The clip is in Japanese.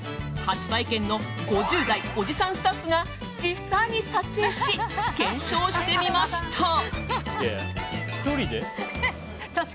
初体験の５０代おじさんスタッフが実際に撮影し、検証してみました。